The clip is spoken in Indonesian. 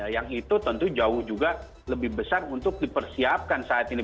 yang itu tentu jauh juga lebih besar untuk dipersiapkan saat ini